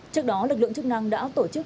trước đó lực lượng chức năng đã tổ chức